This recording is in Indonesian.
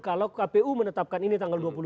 kalau kpu menetapkan ini tanggal dua puluh dua